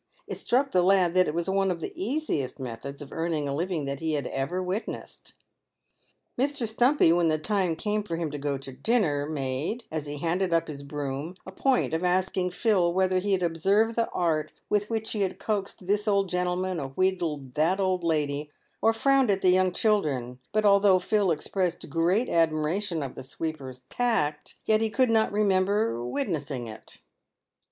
It struck the lad that it was one of the easiest methods of earning a living that he had ever witnessed. Mr. Stumpy, when the time came for him to go to dinner, made, as he handed up his broom, a point of asking Phil whether he had observed the art with which he had coaxed this old gentleman or wheedled that old lady, or frowned at the young children; but although Phil expressed great admiration of the sweeper's tact, yet he coiild not remember witnessing it.